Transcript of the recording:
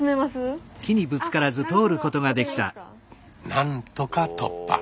なんとか突破。